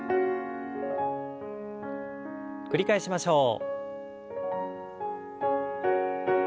繰り返しましょう。